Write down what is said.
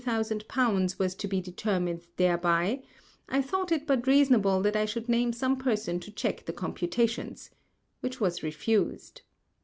_ was to be determined thereby, I thought it but reasonable that I should name some Person to check the Computations, which was refused.